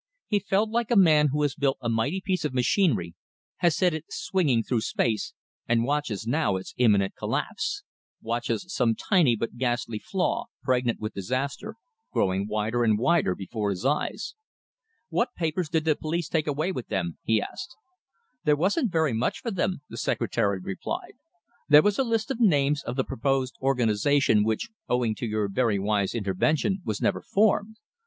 He felt like a man who has built a mighty piece of machinery, has set it swinging through space, and watches now its imminent collapse; watches some tiny but ghastly flaw, pregnant with disaster, growing wider and wider before his eyes. "What papers did the police take away with them?" he asked. "There wasn't very much for them," the secretary replied. "There was a list of the names of the proposed organisation which, owing to your very wise intervention, was never formed.